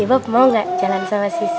ibob mau gak jalan sama sissy